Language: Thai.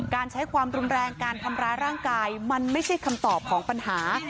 การใช้ความรุนแรงการทำร้ายร่างกายมันไม่ใช่คำตอบของปัญหา